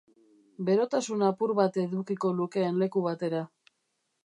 Berotasun apur bat edukiko lukeen leku batera.